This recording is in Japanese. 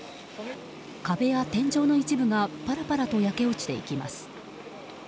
壁や天井の一部がパラパラと焼け落ちていきます。